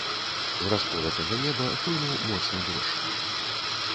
З расколатага неба хлынуў моцны дождж.